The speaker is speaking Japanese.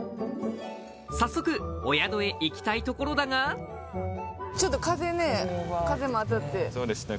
早速お宿へ行きたいところだがちょっと風ね風も当たってそうですね